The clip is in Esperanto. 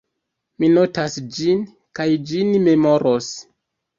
Mi notas ĝin, kaj ĝin memoros.